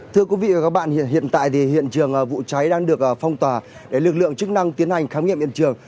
thưa quý vị và các bạn hiện tại thì hiện trường vụ cháy đang được phong tỏa để lực lượng chức năng tiến hành khám nghiệm hiện trường